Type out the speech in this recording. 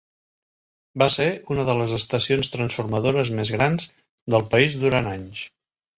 Va ser una de les estacions transformadores més grans del país durant anys.